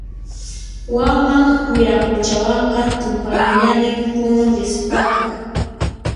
Waman Wiraquchawanqa tuparullanin Punuta rispaqa